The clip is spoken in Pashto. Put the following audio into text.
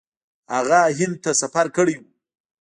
هغه هند ته سفر کړی و.